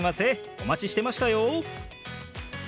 お待ちしてましたよ。